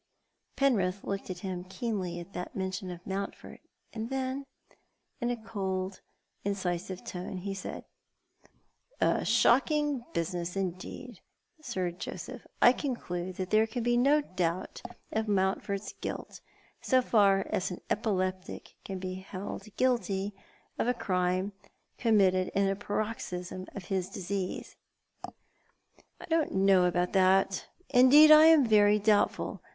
Penrith looked at him keenly at that mention of Mountford, and then, in cold, incisive tones, he said —" A shocking business, indeed, Sir Joseph, I conclude that there can be no doubt of Mountford 's guilt, so far as an epileptic can be held guilty of a crime committed in a paroxysm of his disease." " I don't know aboiit that. Indeed, I am very doubtful.